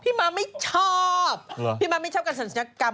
พี่มาไม่ชอบการศรียกรรม